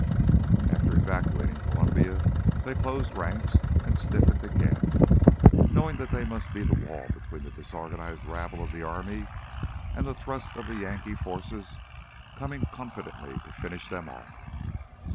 After evacuating Columbia, they closed ranks and stiffened again, knowing that they must be the wall between the disorganized rabble of the army and the thrust of the Yankee forces coming confidently to finish them off.